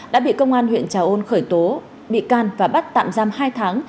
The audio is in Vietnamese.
đã bị công an huyện trà ôn khởi tố bị can và bắt tạm giam hai tháng